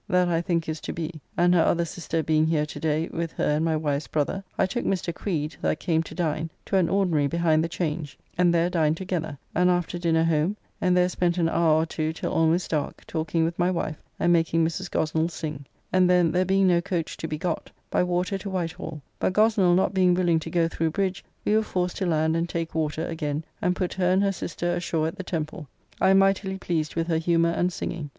] that I think is to be, and her other sister being here to day with her and my wife's brother, I took Mr. Creed, that came to dine, to an ordinary behind the Change, and there dined together, and after dinner home and there spent an hour or two till almost dark, talking with my wife, and making Mrs. Gosnell sing; and then, there being no coach to be got, by water to White Hall; but Gosnell not being willing to go through bridge, we were forced to land and take water, again, and put her and her sister ashore at the Temple. I am mightily pleased with her humour and singing.